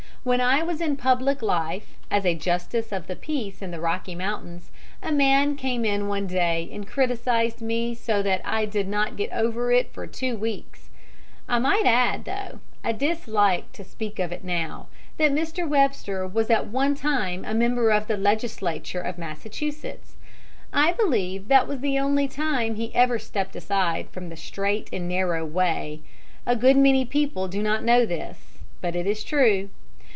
When I was in public life, as a justice of the peace in the Rocky Mountains, a man came in one day and criticised me so that I did not get over it for two weeks. I might add, though I dislike to speak of it now, that Mr. Webster was at one time a member of the Legislature of Massachusetts. I believe that was the only time he ever stepped aside from the strait and narrow way. A good many people do not know this, but it is true.